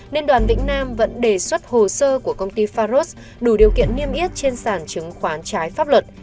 nên đoàn vĩnh nam vẫn đề xuất hồ sơ của công ty faros đủ điều kiện niêm yết trên sản chứng khoán trái pháp luật